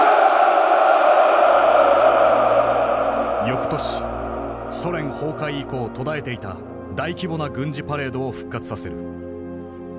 よくとしソ連崩壊以降途絶えていた大規模な軍事パレードを復活させる。